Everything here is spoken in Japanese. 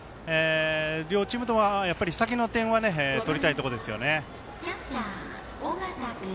両チームとも先の点は取りたいところですね。